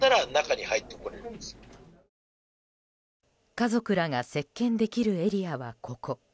家族らが接見できるエリアはここ。